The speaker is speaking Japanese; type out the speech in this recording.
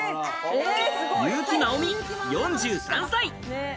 優木まおみ、４３歳。